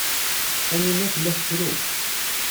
Taninna tella tettru.